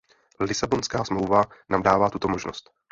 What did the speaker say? Lisabonská smlouva nám dává tuto možnost.